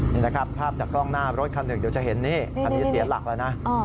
นี่นะครับภาพจากกล้องหน้ารถคัน๑ดูจะเห็นนี่รถกระบะจะเสียหลักและนะ